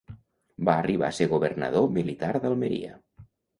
Va arribar a ser governador militar d'Almeria.